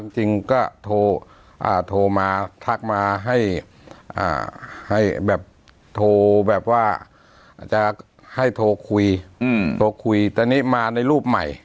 จริงก็โทรมาทักมาให้แบบโทรแบบว่าจะให้โทรคุยโทรคุยแต่นี่มาในรูปใหม่